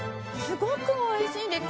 すごくおいしい。